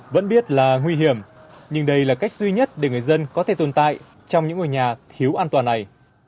vẫn biết là nguy hiểm nhưng đây là cách duy nhất để người dân có thể tồn tại trong những ngôi nhà thiếu an toàn này